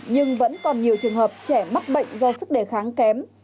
nhưng vẫn còn nhiều trường hợp trẻ mắc bệnh do sức đề kháng kém